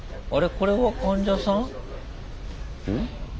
これは患者さん？